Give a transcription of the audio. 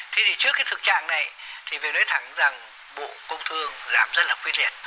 thế thì trước cái thực trạng này thì phải nói thẳng rằng bộ công thương làm rất là quyết liệt